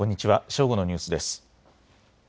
正午のニュースです。